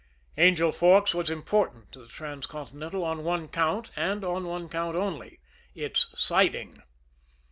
Angel Forks was important to the Transcontinental on one count, and on one count only its siding.